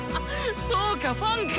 そうかファンか！